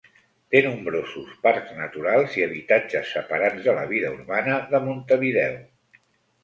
Té nombrosos parcs naturals i habitatges separats de la vida urbana de Montevideo.